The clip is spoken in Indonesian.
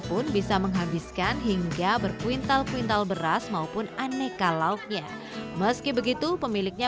pun bisa menghabiskan hingga berkuintal kuintal beras maupun aneka lauknya meski begitu pemiliknya